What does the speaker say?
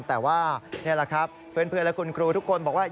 แต่ว่านี่แหละครับเพื่อนและคุณครูทุกคนบอกว่า